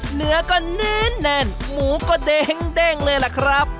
เหนือก็แน่นหมูก็เด้งเลยล่ะครับ